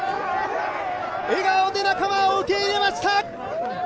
笑顔で仲間を受け入れました！